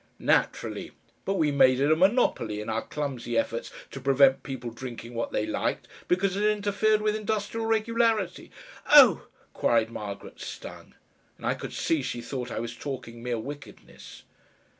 "Naturally. But we made it a monopoly in our clumsy efforts to prevent people drinking what they liked, because it interfered with industrial regularity " "Oh!" cried Margaret, stung; and I could see she thought I was talking mere wickedness.